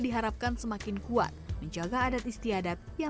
harapan saya seperti itu